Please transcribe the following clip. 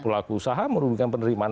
pelaku usaha merugikan penerimaan